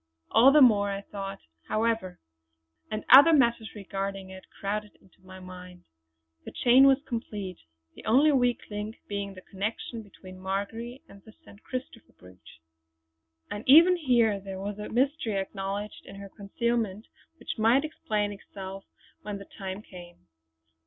All the more I thought, however; and other matters regarding it crowded into my mind. The chain was complete, the only weak link being the connection between Marjory and the St. Christopher brooch. And even here there was a mystery, acknowledged in her concealment, which might explain itself when the time came.